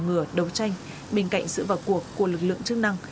để nâng cao công ngừa đấu tranh bên cạnh sự vào cuộc của lực lượng chức năng